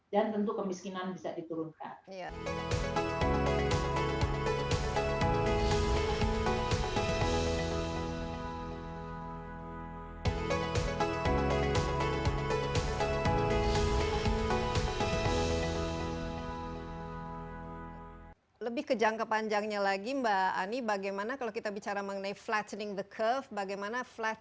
dan tentu kemiskinan bisa diturunkan